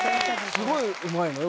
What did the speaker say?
すごいうまいのよ